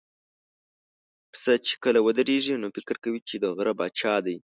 پسه چې کله ودرېږي، نو فکر کوي چې د غره پاچا دی.